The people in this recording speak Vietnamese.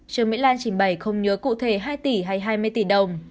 trương mỹ lan trình bày không nhớ cụ thể hai tỷ hay hai mươi tỷ đồng